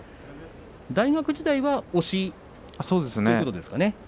大学時代は押しということですかね。